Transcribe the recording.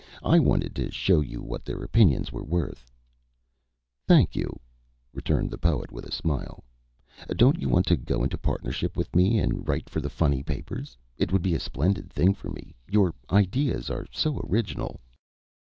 I wanted to show you what their opinions were worth." [Illustration: "I KNOW YOU CAN'T, BECAUSE IT ISN'T THERE"] "Thank you," returned the Poet, with a smile. "Don't you want to go into partnership with me and write for the funny papers? It would be a splendid thing for me your ideas are so original."